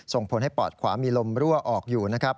ส่งผลให้ปอดขวามีลมรั่วออกอยู่นะครับ